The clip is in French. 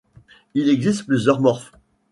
Il existe plusieurs morphes.